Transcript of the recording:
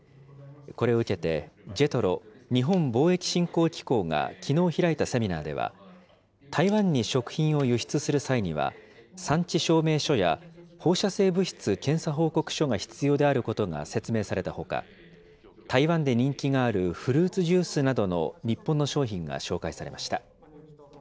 これを受けて、ＪＥＴＲＯ・日本貿易振興機構がきのう開いたセミナーでは、台湾に食品を輸出する際には、産地証明書や、放射性物質検査報告書が必要であることが説明されたほか、台湾で人気があるフルーツジュースなどの日本の商品が紹介されました。